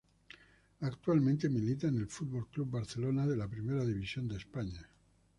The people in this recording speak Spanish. Actualmente milita en el Fútbol Club Barcelona de la Primera División de España.